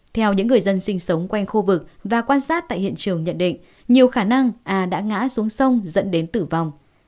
theo những người dân sinh sống quanh khu vực và quan sát tại hiện trường nhận định nhiều khả năng a đã ngã xuống sông dẫn đến tử vong